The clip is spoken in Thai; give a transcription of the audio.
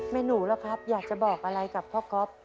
หนูล่ะครับอยากจะบอกอะไรกับพ่อก๊อฟ